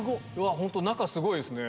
本当中すごいですね。